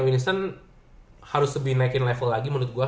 winnistan harus lebih naikin level lagi menurut gue